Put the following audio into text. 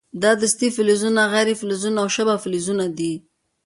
دا دستې فلزونه، غیر فلزونه او شبه فلزونه دي.